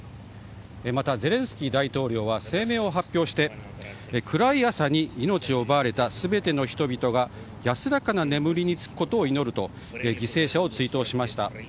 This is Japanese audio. またゼレンスキー大統領は声明を発表して暗い朝に命を奪われた全ての人々が安らかな眠りにつくことを祈ると犠牲者を追悼しました。